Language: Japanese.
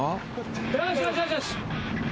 よしよしよしよし。